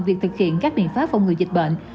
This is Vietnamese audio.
việc thực hiện các biện pháp phòng ngừa dịch bệnh